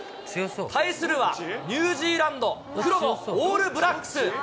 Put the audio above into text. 対するはニュージーランド、黒のオールブラックス。